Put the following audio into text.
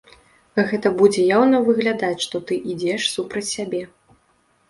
Гэта будзе яўна выглядаць, што ты ідзеш супраць сябе.